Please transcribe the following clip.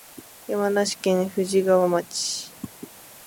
山梨県富士川町